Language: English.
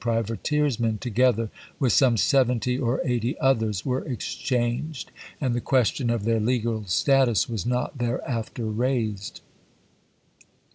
privateersmen, together with some seventy or eighty others, were exchanged; and the question of their legal status was not thereafter raised.